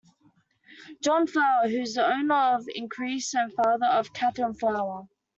John Flower who is owner of Increase and father of Katherine Flower.